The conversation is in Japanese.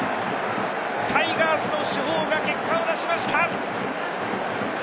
タイガースの主砲が結果を出しました。